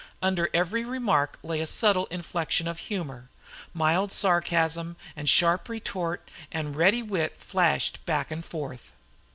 Under every remark lay a subtle inflection of humor. Mild sarcasm and sharp retort and ready wit flashed back and forth.